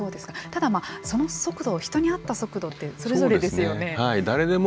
ただまあその速度人に合った速度ってそれぞれですよね。